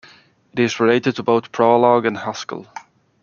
It is related to both Prolog and Haskell.